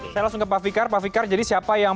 saya langsung ke pak fikar pak fikar jadi siapa yang